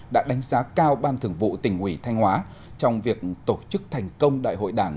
đã đánh giá cao ban thường vụ tỉnh ủy thanh hóa trong việc tổ chức thành công đại hội đảng